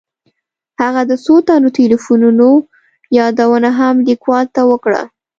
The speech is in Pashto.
هغه د څو تنو تیلیفونونو یادونه هم لیکوال ته وکړه.